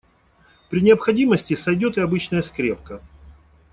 При необходимости сойдёт и обычная скрепка.